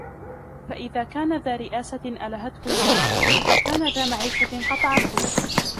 فَإِذَا كَانَ ذَا رِئَاسَةٍ أَلْهَتْهُ ، وَإِنْ كَانَ ذَا مَعِيشَةٍ قَطَعَتْهُ